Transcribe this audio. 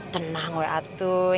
tenang weh atuh